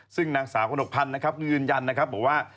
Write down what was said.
ซึ่งนางสาวคนกฎพันธ์นะครับยืนยันบอกว่า